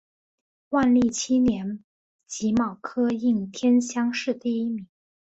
万历七年己卯科应天乡试第一名。